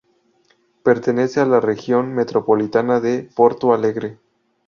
Pertenece a la Región Metropolitana de Porto Alegre.